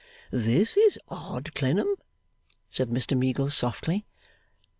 'This is odd, Clennam,' said Mr Meagles, softly.